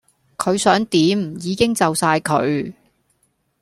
佢想點已經就哂佢